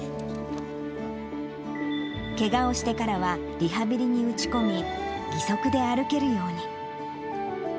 けがをしてからはリハビリに打ち込み、義足で歩けるように。